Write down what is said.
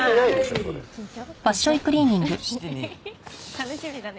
楽しみだね。